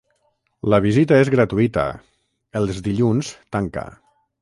La visita és gratuïta, els dilluns tanca.